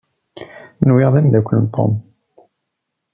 Nwiɣ-k d amdakel n Tom.